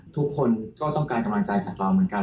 ทุกคนก็ต้องการกำลังใจจากเราเหมือนกัน